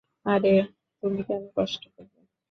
আরে তুমি কেন কষ্ট করবে?